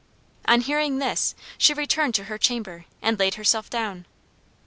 On hearing this, she returned to her chamber and laid herself down.